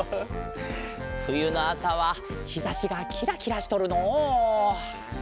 ふゆのあさはひざしがキラキラしとるのう。